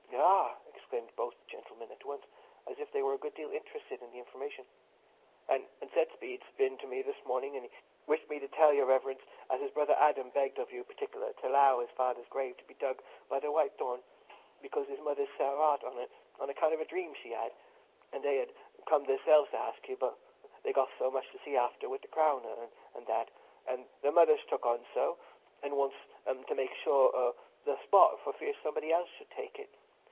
"Ah!" exclaimed both the gentlemen at once, as if they were a good deal interested in the information. "An' Seth Bede's been to me this morning to say he wished me to tell Your Reverence as his brother Adam begged of you particular t' allow his father's grave to be dug by the White Thorn, because his mother's set her heart on it, on account of a dream as she had; an' they'd ha' come theirselves to ask you, but they've so much to see after with the crowner, an' that; an' their mother's took on so, an' wants 'em to make sure o' the spot for fear somebody else should take it.